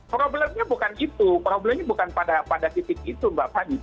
problemnya bukan itu problemnya bukan pada titik itu mbak fani